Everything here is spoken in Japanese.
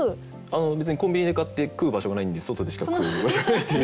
別にコンビニで買って食う場所がないんで外でしか食う場所がないっていう。